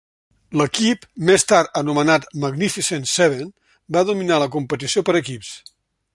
L'equip, més tard anomenat Magnificent Seven, va dominar la competició per equips.